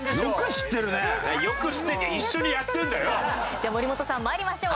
じゃあ森本さんまいりましょう。